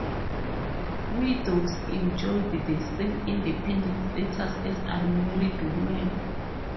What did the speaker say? Widows enjoyed the same independent status as unmarried women.